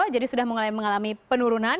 jadi sudah mengalami penurunan